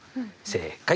正解！